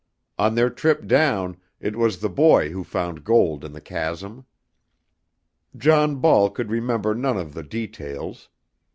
On their trip down it was the boy who found gold in the chasm. John Ball could remember none of the details.